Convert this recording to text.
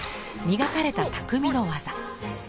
磨かれた匠の技。